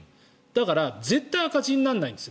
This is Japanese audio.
だから絶対赤字にならないんです。